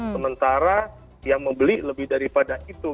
sementara yang membeli lebih daripada itu